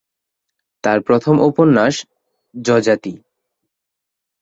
তার প্রথম উপন্যাস "যযাতি"।